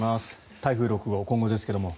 台風６号、今後ですが。